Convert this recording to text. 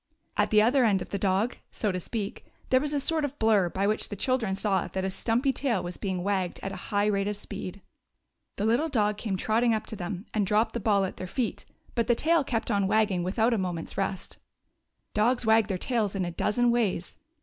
At the other end of the dog, so to speak, there was a sort of blur, by which the children saw that a stumpy tail was being wagged at a high rate of speed. The little dog came trotting up to them and dropped the ball at their feet, but the tail kept 46 THE GYPSY DOG FINDS A NEW HOME on wagging without a moment's rest. Dogs wag their tails in a dozen ways.